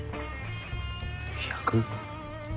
１００？